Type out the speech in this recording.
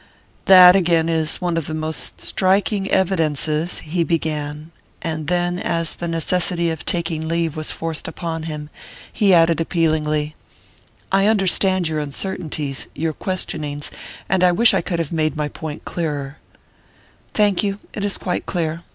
"That, again, is one of the most striking evidences " he began; and then, as the necessity of taking leave was forced upon him, he added appealingly: "I understand your uncertainties, your questionings, and I wish I could have made my point clearer " "Thank you; it is quite clear.